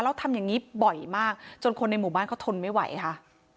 แล้วทำอย่างนี้บ่อยมากจนคนในหมู่บ้านเขาทนไม่ไหวค่ะ